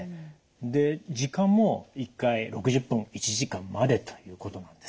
で時間も１回６０分１時間までということなんですね。